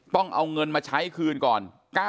ต้องเอาเงินมาใช้คืนก่อน